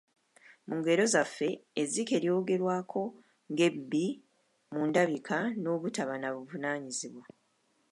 Mu ngero zaffe, ezzike ly’ogerwako ng’ebbi mu ndabika n'obutaba na buvunaanyizibwa.